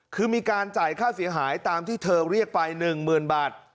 คือมีการจ่ายค่าเสียหายตามที่เธอเรียกไป๑๐๐๐บาท